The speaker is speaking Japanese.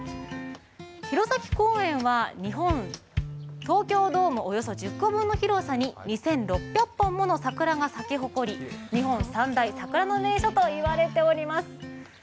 弘前公園は東京ドームおよそ１０個分の広さに２６００本もの桜が咲き誇り日本三大桜の名所と言われております。